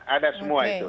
ada semua itu